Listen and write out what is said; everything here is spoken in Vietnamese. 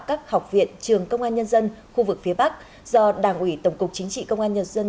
các học viện trường công an nhân dân khu vực phía bắc do đảng ủy tổng cục chính trị công an nhân dân